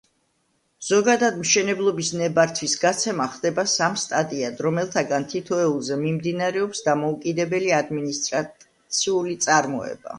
ზოგადად, მშენებლობის ნებართვის გაცემა ხდება სამ სტადიად, რომელთაგან თითოეულზე მიმდინარეობს დამოუკიდებელი ადმინისტრაციული წარმოება.